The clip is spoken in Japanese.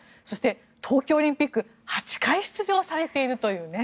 そして、冬季オリンピック８回出場されていると。